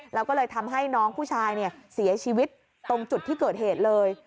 แล้วก็เลยทำให้น้องผู้ชายเสียชีวิตตรงจุดที่เกิดเหตุเลย